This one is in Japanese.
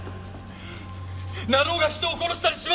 成尾が人を殺したりしません！